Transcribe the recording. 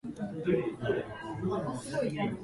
そして、僕はうなずいていた、君の瞳の中の僕に向けて